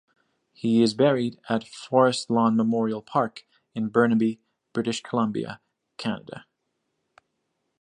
He is buried at Forest Lawn Memorial Park in Burnaby, British Columbia, Canada.